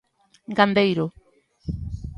Gandeiro.